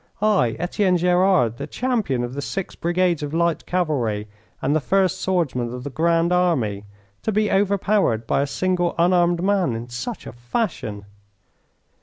I, Etienne Gerard, the champion of the six brigades of light cavalry and the first swordsman of the Grand Army, to be overpowered by a single unarmed man in such a fashion!